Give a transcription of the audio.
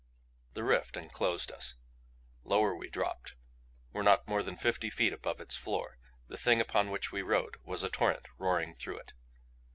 The rift enclosed us. Lower we dropped; were not more than fifty feet above its floor. The Thing upon which we rode was a torrent roaring through it.